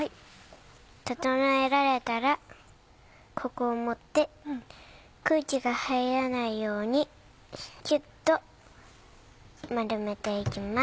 整えられたらここを持って空気が入らないようにキュっと丸めて行きます。